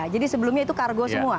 jadi sebelumnya itu kargo semua